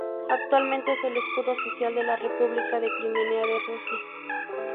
Actualmente es el escudo oficial de la República de Crimea de Rusia.